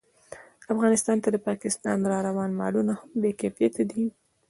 افغانستان ته د پاکستان راروان مالونه هم بې کیفیته دي